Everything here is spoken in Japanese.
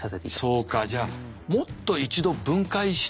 そうかじゃあもっと一度分解して。